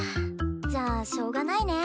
じゃあしょうがないね。